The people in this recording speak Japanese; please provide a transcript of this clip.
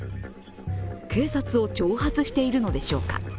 警察を挑発しているのでしょうか。